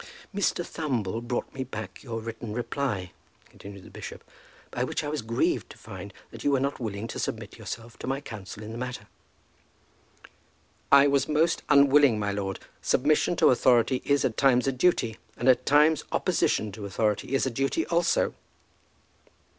"Mr. Thumble brought me back your written reply," continued the bishop, "by which I was grieved to find that you were not willing to submit yourself to my counsel in the matter." "I was most unwilling, my lord. Submission to authority is at times a duty; and at times opposition to authority is a duty also."